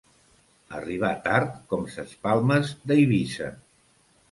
Arribar tard, com ses palmes d'Eivissa.